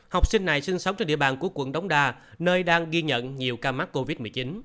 học sinh này sinh sống trên địa bàn của quận đống đa nơi đang ghi nhận nhiều ca mắc covid một mươi chín